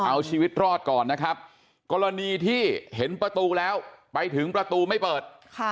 เอาชีวิตรอดก่อนนะครับกรณีที่เห็นประตูแล้วไปถึงประตูไม่เปิด